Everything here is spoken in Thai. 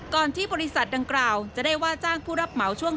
ที่บริษัทดังกล่าวจะได้ว่าจ้างผู้รับเหมาช่วง